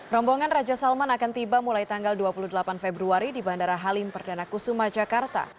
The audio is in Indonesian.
rombongan raja salman akan tiba mulai tanggal dua puluh delapan februari di bandara halim perdana kusuma jakarta